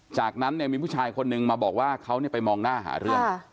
จากนั้นมีผู้ชายคนนึงมาบอกว่าเขาไปมองหน้าหาเรื่อง